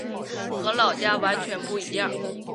和老家完全不一样